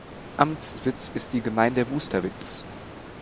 Amtssitz ist die Gemeinde Wusterwitz.